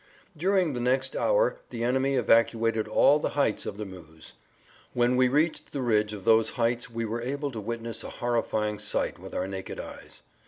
During the next hour the enemy evacuated all the heights of the Meuse. When we reached the ridge of those heights we were able to witness a horrifying sight with our naked eyes.